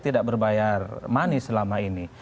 tidak berbayar manis selama ini